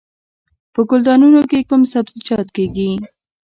په ګلدانونو کې کوم سبزیجات کیږي؟